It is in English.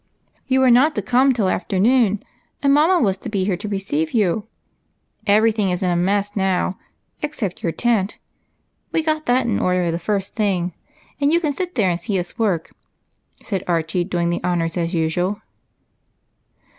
" You were not to come till afternoon, and mamma was to be here to receive you. Every thing is in a mess now, except your tent ; we got that in order the first thing, and you can sit there and see us work," said Archie, doing the honors as usual.